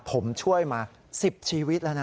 ผมช่วยมา๑๐ชีวิตแล้วนะ